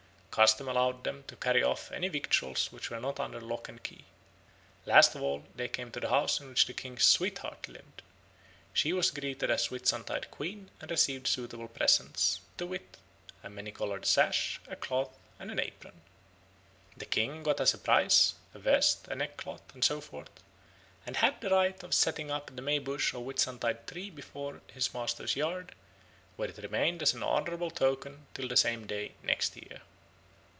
Custom allowed them to carry off any victuals which were not under lock and key. Last of all they came to the house in which the king's sweetheart lived. She was greeted as Whitsuntide Queen and received suitable presents to wit, a many coloured sash, a cloth, and an apron. The king got as a prize, a vest, a neck cloth, and so forth, and had the right of setting up the May bush or Whitsuntide tree before his master's yard, where it remained as an honourable token till the same day next year.